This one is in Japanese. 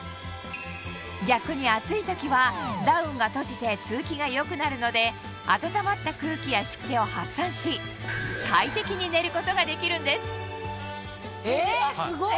逆に暑い時はダウンが閉じて通気が良くなるので暖まった空気や湿気を発散し快適に寝ることができるんですえすごい！